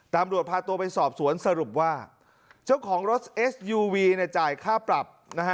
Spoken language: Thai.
ตำรวจพาตัวไปสอบสวนสรุปว่าเจ้าของรถเอสยูวีจ่ายค่าปรับนะฮะ